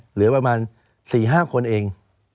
เหลือประมาณ๔๕คนเอง